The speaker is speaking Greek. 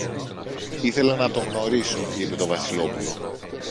Ήθελα να τον γνωρίσω, είπε το Βασιλόπουλο.